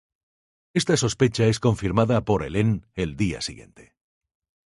Esta sospecha es confirmada por Helene el día siguiente.